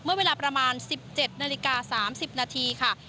เมื่อเวลาประมาณสิบเจ็ดนาฬิกาสามสิบนาทีค่ะ